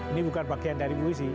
ini bukan bagian dari puisi